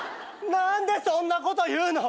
何でそんなこと言うの！？